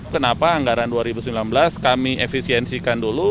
kenapa anggaran dua ribu sembilan belas kami efisiensikan dulu